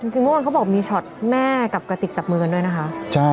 จริงเมื่อวานเขาบอกมีช็อตแม่กับกระติกจับมือกันด้วยนะคะ